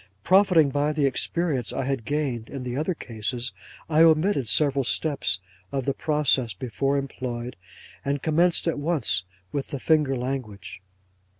'Profiting by the experience I had gained in the other cases, I omitted several steps of the process before employed, and commenced at once with the finger language.